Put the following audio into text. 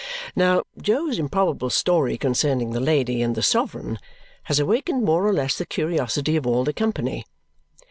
Now, Jo's improbable story concerning the lady and the sovereign has awakened more or less the curiosity of all the company.